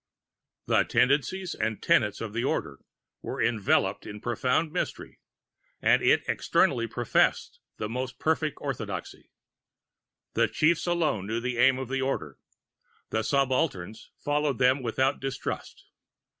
"The tendencies and tenets of the Order were enveloped in profound mystery, and it externally professed the most perfect orthodoxy. The Chiefs alone knew the aim of the Order: the Subalterns followed them without distrust.